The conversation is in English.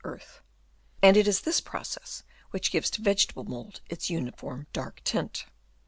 earth ; and it is this process which gives to vegetable mould its uniform dark tint.